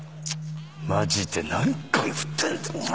マジで何回振ってんだ。